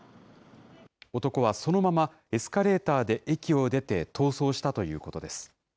男はそのままエスカレーターで駅を出て、逃走したということです。